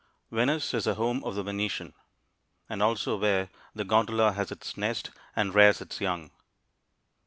Venice is the home of the Venetian, and also where the gondola has its nest and rears its young.